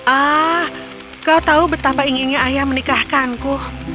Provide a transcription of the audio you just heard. ah kau tahu betapa inginnya ayah menikahkanku